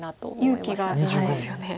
勇気がいりますよね。